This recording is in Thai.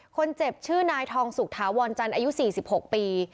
คนเจ็บชื่อนายทองสุขถาวรจันทร์อายุ๔๖ปี